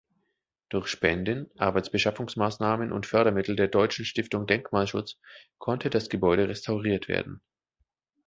Durch Spenden, Arbeitsbeschaffungsmaßnahmen und Fördermittel der "Deutschen Stiftung Denkmalschutz" konnte das Gebäude restauriert werden.